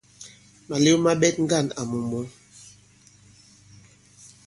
Màlew ma ɓɛt ŋgân àmù mǔ.